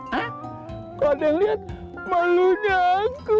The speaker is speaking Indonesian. nggak ada yang liat malunya aku